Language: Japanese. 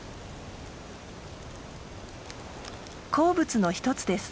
好物の一つです。